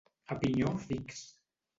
A pinyó fix.